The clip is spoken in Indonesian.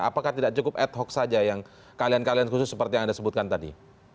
apakah tidak cukup ad hoc saja yang kalian kalian khusus seperti yang anda sebutkan tadi